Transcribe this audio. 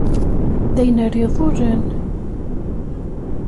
D ayen ara iḍulen.